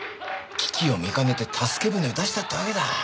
危機を見かねて助け舟を出したってわけだ。